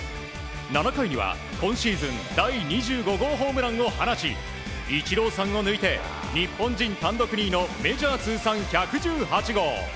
７回には今シーズン第２５号ホームランを放ちイチローさんを抜いて日本人単独２位のメジャー通算１１８号。